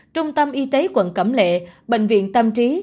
trung tâm y tế quận cẩm lệ bệnh viện tam trí